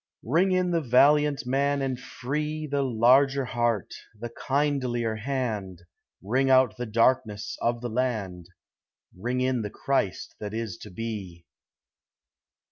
Ring in the valiant man and free, The larger heart, the kindlier hand; Ring out the darkness of the land, Ring in the Christ that is to be.